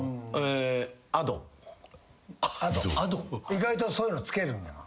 意外とそういうの付けるんやな。